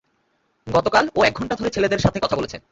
গতকাল, ও এক ঘন্টা ধরে ছেলেদের সাথে কথা বলেছে।